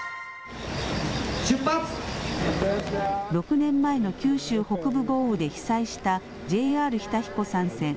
６年前の九州北部豪雨で被災したＪＲ日田彦山線。